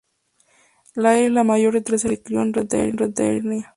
Leire es la mayor de tres hermanos y se crio en Rentería.